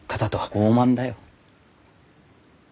傲慢だよ。